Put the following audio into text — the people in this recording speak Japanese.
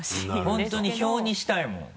本当に表にしたいもん。